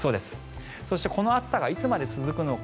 そしてこの暑さがいつまで続くのか。